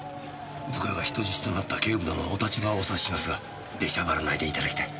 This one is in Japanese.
部下が人質となった警部殿のお立場はお察ししますが出しゃばらないでいただきたい。